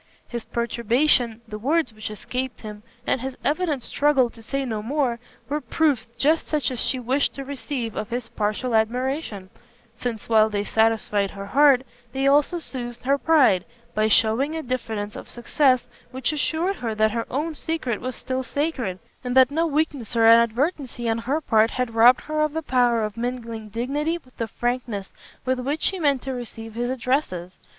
His perturbation, the words which escaped him, and his evident struggle to say no more, were proofs just such as she wished to receive of his partial admiration, since while they satisfied her heart, they also soothed her pride, by shewing a diffidence of success which assured her that her own secret was still sacred, and that no weakness or inadvertency on her part had robbed her of the power of mingling dignity with the frankness with which she meant to receive his addresses.